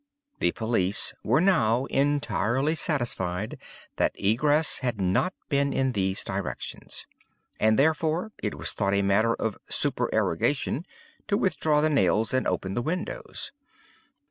The police were now entirely satisfied that egress had not been in these directions. And, therefore, it was thought a matter of supererogation to withdraw the nails and open the windows.